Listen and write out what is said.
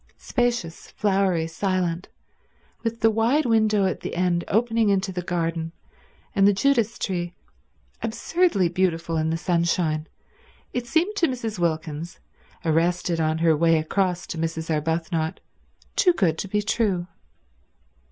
Spacious, flowery, silent, with the wide window at the end opening into the garden, and the Judas tree absurdly beautiful in the sunshine, it seemed to Mrs. Wilkins, arrested on her way across to Mrs. Arbuthnot, too good to be true.